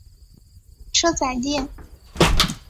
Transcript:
车仔电。